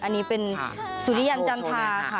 อันนี้เป็นสุริยันจันทาค่ะ